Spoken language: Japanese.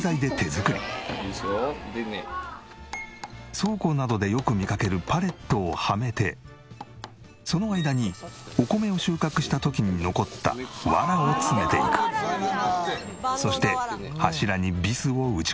倉庫などでよく見かけるパレットをはめてその間にお米を収穫した時に残ったそして柱にビスを打ち込む。